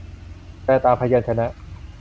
แปลตามพยัญชนะ